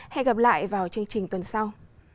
hẹn gặp lại vào chương trình tuần sau